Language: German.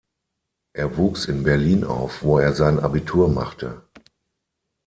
Er wuchs in Berlin auf, wo er sein Abitur machte.